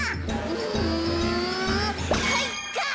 うんかいか！